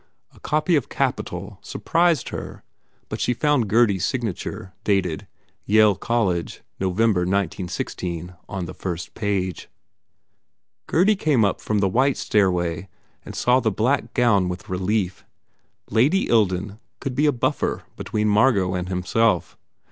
A copy of "Capital" sur prised her but she found Gurdy s signature dated, "Yale College, November, 1916," on the first page. Gurdy came up the white stairway and saw the black gown with relief. Lady Ilden could be a buffer between Margot and himself.